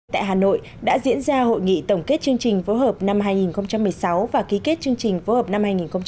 tại hà nội đã diễn ra hội nghị tổng kết chương trình phối hợp năm hai nghìn một mươi sáu và ký kết chương trình phối hợp năm hai nghìn một mươi chín